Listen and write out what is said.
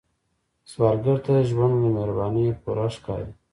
سوالګر ته ژوند له مهربانۍ پوره ښکاري